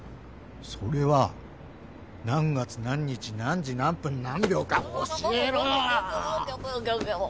それは何月何日何時何分何秒か教えろ！